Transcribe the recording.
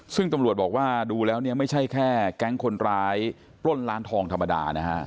ซึ่งตำรวจบอกว่าดูแล้วเนี่ยไม่ใช่แค่แก๊งคนร้ายปล้นร้านทองธรรมดานะฮะ